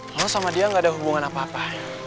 kamu sama dia gak ada hubungan apa apa